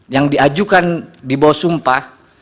yang diajukan di bawah sumpah